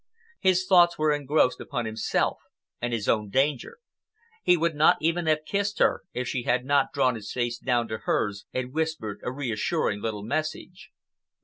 His thoughts were engrossed upon himself and his own danger. He would not even have kissed her if she had not drawn his face down to hers and whispered a reassuring little message.